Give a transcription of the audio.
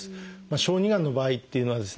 小児がんの場合っていうのはですね